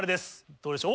どうでしょう？